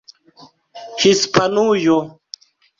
Hispanujo